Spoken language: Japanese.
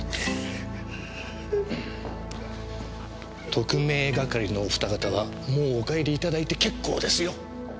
特命係のお二方はもうお帰り頂いて結構ですよ。